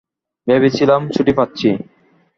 ভেবেছিলাম ছুটি পাচ্ছি।